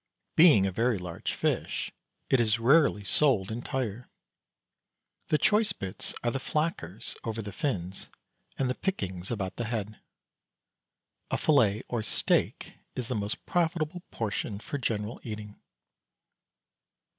Being a very large fish, it is rarely sold entire. The choice bits are the flackers over the fins and the pickings about the head. A fillet or "steak" is the most profitable portion for general eating.